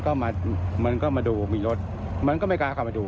ก็มามันก็มาดูมีรถมันก็ไม่กล้าเข้ามาดู